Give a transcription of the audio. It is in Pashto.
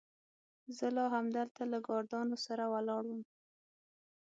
زه لا همدلته له ګاردانو سره ولاړ وم.